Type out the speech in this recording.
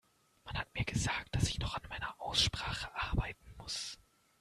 Man hat mir gesagt, dass ich noch an meiner Aussprache arbeiten muss.